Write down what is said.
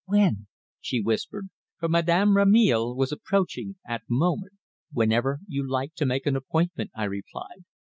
"When?" she whispered, for Madame Rameil was approaching at the moment. "Whenever you like to make an appointment," I replied.